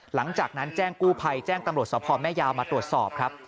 หลังจากนั้นแจ้งกู้ภัยแจ้งตำรวจสพแม่ยาวมาตรวจสอบครับ